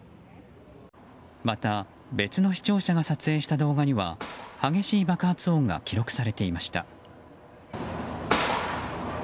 また、別の視聴者が撮影した動画には激しい爆発音が記録されていました。